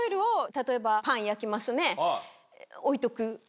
例えばパン焼きますね。